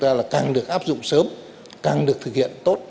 chúng ta là càng được áp dụng sớm càng được thực hiện tốt